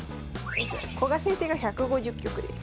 古賀先生が１５０局です。